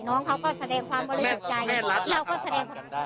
น้องเขาก็แสดงความบริสุทธิ์ใจ